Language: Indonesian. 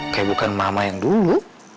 kayak bukan mama yang dulu